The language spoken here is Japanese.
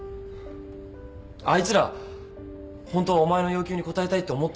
あいつらホントはお前の要求に応えたいって思ってんだよ。